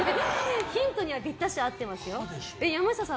ヒントにはぴったし、合っていますよ。